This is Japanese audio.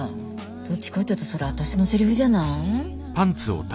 どっちかっていうとそれ私のセリフじゃない？